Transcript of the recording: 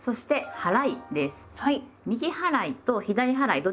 はい。